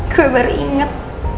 gua baru inget